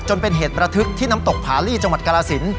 เป็นเหตุประทึกที่น้ำตกผาลีจังหวัดกรสิน